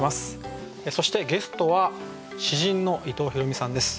そしてゲストは詩人の伊藤比呂美さんです。